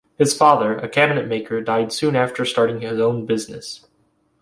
His father, a cabinet maker, died soon after starting his own business.